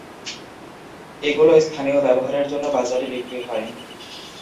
এগুলো স্থানীয় ব্যবহারের জন্য বাজারে বিক্রি হয়।